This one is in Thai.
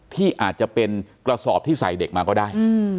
ที่อาจจะเป็นกระสอบที่ใส่เด็กมาก็ได้